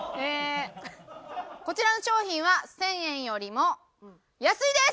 こちらの商品は１０００円よりも安いです。